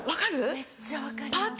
めっちゃ分かります。